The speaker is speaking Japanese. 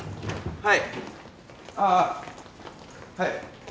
はい。